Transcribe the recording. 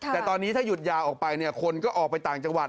แต่ตอนนี้ถ้าหยุดยาวออกไปเนี่ยคนก็ออกไปต่างจังหวัด